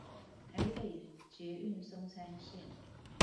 臺北捷運松山線